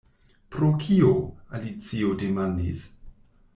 "Pro kio?" Alicio demandis.